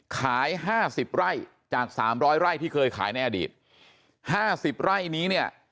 ขายห้าสิบไร่จากสามร้อยไร่ที่เคยขายในอดีตห้าสิบไร่นี้เนี้ย